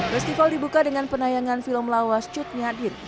festival dibuka dengan penayangan film lawas cut nyadir